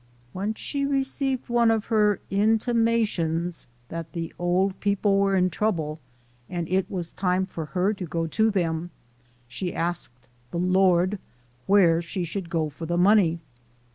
When she received one of her inti mations that the old people were in trouble, and it was time for her to go to them, she asked the Lord where she should go for the money.